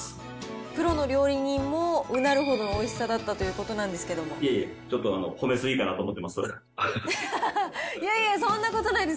プロの料理人もうなるほどのおいしさだったということなんでいえいえ、ちょっと褒め過ぎかなと思ってます。